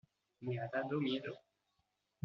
me ha dado miedo.